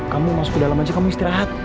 kamu masuk ke dalam aja kamu istirahat